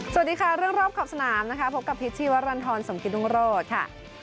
สวัสดีค่ะเรื่องรอบขอบสนามนะคะพบกับพิษชีวรรณฑรสมกิตรุงโรธค่ะ